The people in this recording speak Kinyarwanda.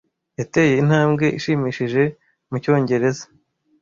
Yateye intambwe ishimishije mu Cyongereza.